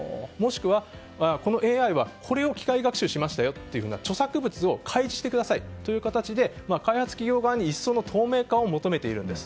もしくは、このＡＩはこれを機会学習しましたという著作物を開示してくださいと開発企業側に一層の透明化を求めているんです。